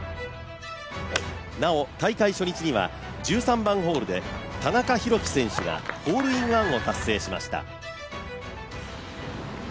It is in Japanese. なお、大会初日には１３番ホールで田中裕基選手が、ホールインワンを達成しました。